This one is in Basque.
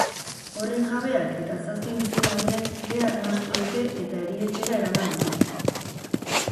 Horren jabeak eta zazpi bizilagunek kea arnastu dute eta erietxera eraman dituzte.